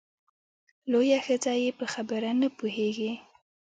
لویه ښځه یې په خبره نه پوهېږې !